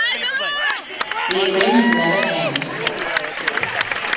The agreement never came into force.